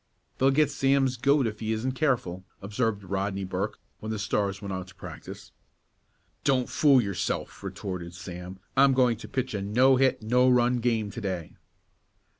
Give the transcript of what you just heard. "They'll get Sam's goat if he isn't careful," observed Rodney Burke, when the Stars went out to practice. "Don't you fool yourself," retorted Sam. "I'm going to pitch a no hit no run game to day."